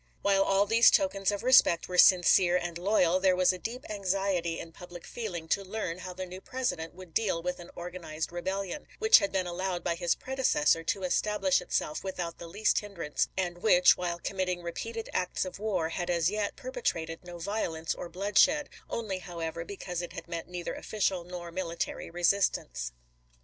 While all these tokens of respect were sincere and loyal, there was a deep anxiety in public feeling to learn how the new President would deal with an organized rebellion, which had been allowed by his predecessor to establish itself without the least hinderance, and which, while committing repeated acts of war, had as yet perpetrated no violence or bloodshed — only, however, because it had met neither official nor military resistance.